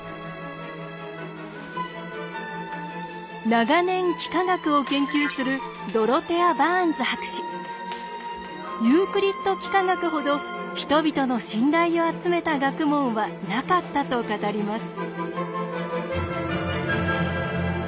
長年幾何学を研究するユークリッド幾何学ほど人々の信頼を集めた学問はなかったと語ります。